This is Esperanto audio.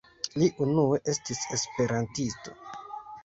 Li unue estis Esperantisto.